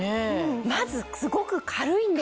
まずすごく軽いんですよ。